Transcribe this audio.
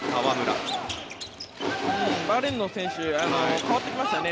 バーレーンの選手変わってきましたね。